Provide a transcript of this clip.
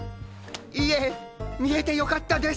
いえ見えてよかったです！